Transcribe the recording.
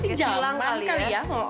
tiga jalan kali ya